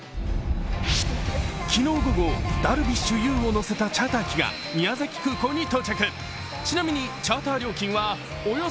昨日午後、ダルビッシュ有を乗せたチャーター機が宮崎空港に到着。